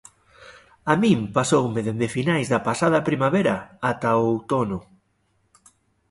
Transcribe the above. A min pasoume dende finais da pasada primavera ata o outono.